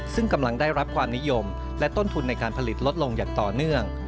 ซึ่งกำลังได้รับความนิยมและต้นทุนในการผลิตลดลงอย่างต่อเนื่อง